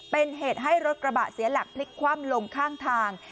เป็นเหตุให้รถกระบะเสียหลักพลิกคว่ำลงข้างทาง